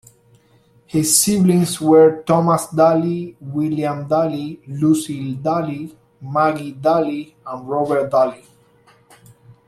His siblings were Thomas Daly, William Daly, Lucy Daly, Maggie Daly, and Robert Daly.